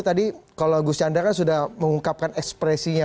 tadi kalau gus chandra kan sudah mengungkapkan ekspresinya